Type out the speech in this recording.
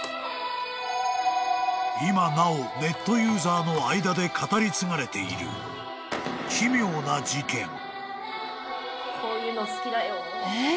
［今なおネットユーザーの間で語り継がれている奇妙な事件］